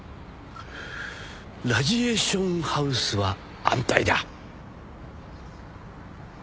ラジエーションハウスは安泰だ。